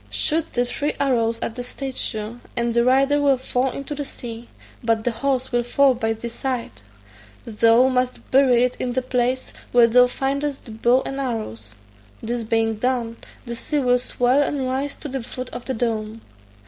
Shoot the three arrows at the statue, and the rider will fall into the sea, but the horse will fall by thy side; thou must bury it in the place where thou findest the bow and arrows: this being done, the sea will swell and rise to the foot of the dome.